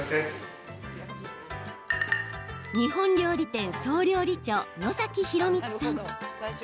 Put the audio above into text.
日本料理店、総料理長野崎洋光さん。